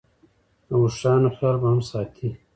د اوښانو خیال به هم ساتې.